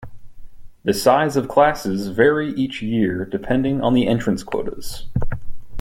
The size of classes vary each year, depending on the entrance quotas.